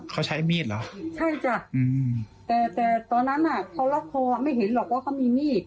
เขาใช้มีดเหรอใช่จ้ะแต่แต่ตอนนั้นอ่ะเขาล็อกคอไม่เห็นหรอกว่าเขามีมีด